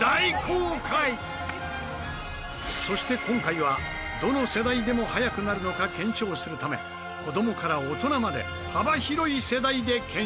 そして今回はどの世代でも速くなるのか検証するため子どもから大人まで幅広い世代で検証。